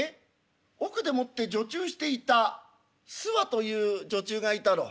奥でもって女中していたすわという女中がいたろ。